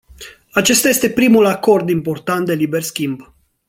Acesta este primul acord important de liber schimb.